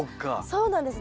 そうなんです。